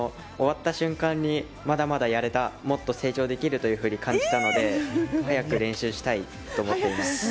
終わった瞬間にまだまだやれた、もっと成長できるというふうに感じたので早く練習したいと思っています。